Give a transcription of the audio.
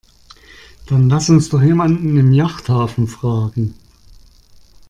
Dann lass uns doch jemanden im Yachthafen fragen.